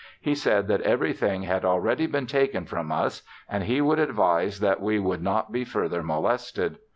He said that everything had already been taken from us, and he would advise that we would not be further molested.